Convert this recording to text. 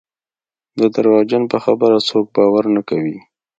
د درواغجن په خبره څوک باور نه کوي.